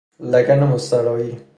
لگن مستراحی